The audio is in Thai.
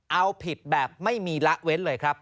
เอาผิดแบบไม่มีละเว้นเลยครับ